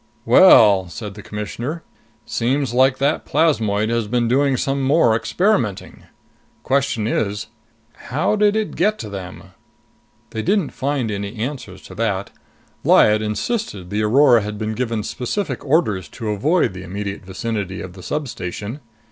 "Well," said the Commissioner, "seems like that plasmoid has been doing some more experimenting. Question is, how did it get to them?" They didn't find any answers to that. Lyad insisted the Aurora had been given specific orders to avoid the immediate vicinity of the substation.